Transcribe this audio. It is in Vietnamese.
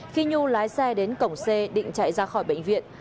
khi nhu lái xe đến cổng c định chạy ra khỏi bệnh viện